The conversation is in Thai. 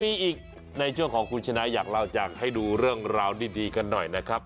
มีอีกในช่วงของคุณชนะอยากเล่าอยากให้ดูเรื่องราวดีกันหน่อยนะครับ